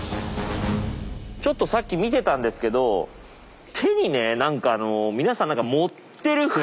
ちょっとさっき見てたんですけど手にね何か皆さん持ってるふうなんですよ。